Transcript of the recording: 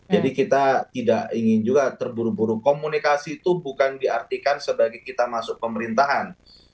jadi kita tidak ingin juga terburu buru komunikasi itu bukan diartikan sebagai kita masuk pemerintahan